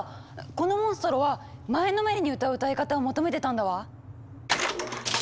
このモンストロは前のめりに歌う歌い方を求めてたんだわ！